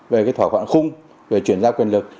về cái thỏa thuận khung về chuyển giao quyền lực